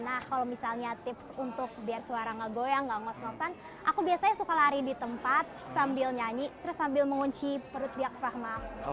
nah kalau misalnya tips untuk biar suara ngegoyang gak ngos ngosan aku biasanya suka lari di tempat sambil nyanyi terus sambil mengunci perut biak fahma